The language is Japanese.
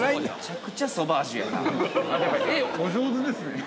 ◆絵、お上手ですね。